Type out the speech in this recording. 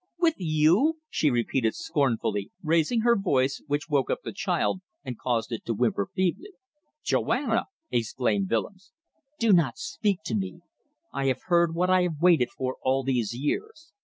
With you," she repeated scornfully, raising her voice, which woke up the child and caused it to whimper feebly. "Joanna!" exclaimed Willems. "Do not speak to me. I have heard what I have waited for all these years.